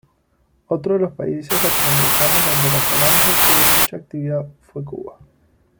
Otro de los países latinoamericanos donde la Falange tuvo mucha actividad fue Cuba.